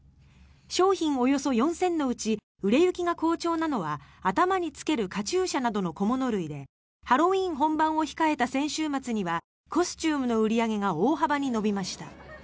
商品およそ４０００のうち売れ行きが好調なのは頭につけるカチューシャなどの小物類でハロウィーン本番を控えた先週末にはコスチュームの売り上げが大幅に伸びました。